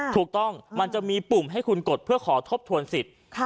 ถูกต้องมันจะมีปุ่มให้คุณกดเพื่อขอทบทวนสิทธิ์